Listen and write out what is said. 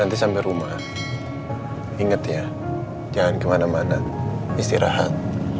nanti sampai rumah inget ya jangan kemana mana istirahat